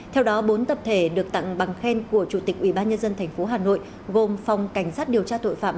theo đó bốn tập thể được tặng bằng khen của chủ tịch ubnd tp hà nội gồm phòng cảnh sát điều tra tội phạm